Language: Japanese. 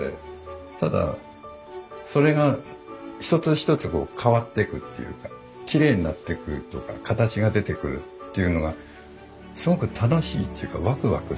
ただそれが一つ一つ変わってくっていうかきれいになってくとか形が出てくるっていうのがすごく楽しいっていうかワクワクするというか。